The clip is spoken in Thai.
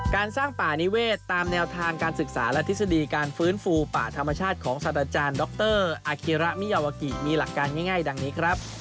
การสร้างป่านิเวศตามแนวทางการศึกษาและทฤษฎีการฟื้นฟูป่าธรรมชาติของสัตว์อาจารย์ดรอาคิระมิยาวากิมีหลักการง่ายดังนี้ครับ